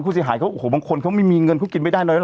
ผู้เสียหายบางคนเขาไม่มีเงินก็กินไม่ได้หน่อย